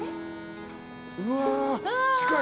うわ近い。